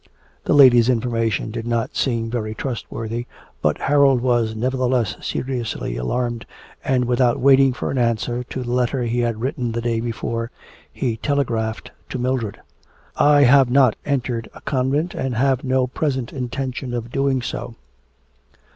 The lady's information did not seem very trustworthy, but Harold was nevertheless seriously alarmed, and, without waiting for an answer to the letter he had written the day before, he telegraphed to Mildred. 'I have not entered a convent and have no present intention of doing so.'